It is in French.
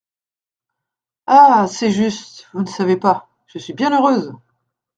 Ah ! c’est juste… vous ne savez pas… je suis bien heureuse !…